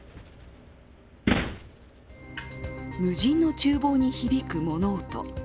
無人のちゅう房に響く物音。